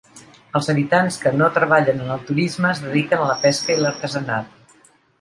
Els habitants que no treballen en el turisme es dediquen a la pesca i l'artesanat.